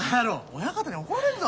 親方に怒られんぞ！